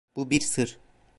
Bu bir sır.